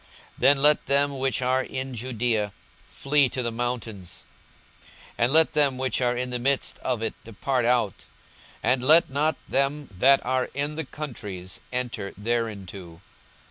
42:021:021 Then let them which are in Judaea flee to the mountains; and let them which are in the midst of it depart out; and let not them that are in the countries enter thereinto.